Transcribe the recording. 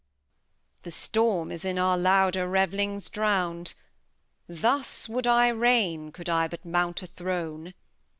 Bast. The Storm is in our louder Rev'Hngs drown'd. Thus wou'd I Reign, cou'd I but mount a Throne.